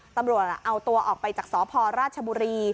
ตำรวจเอาตัวออกไปจากสพราชบุรี